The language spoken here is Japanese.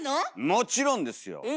もちろんですよ！